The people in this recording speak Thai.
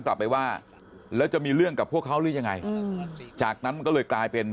กลับไปว่าแล้วจะมีเรื่องกับพวกเขาหรือยังไงจากนั้นมันก็เลยกลายเป็น